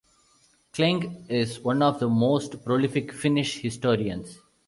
Klinge is one of the most prolific Finnish historians.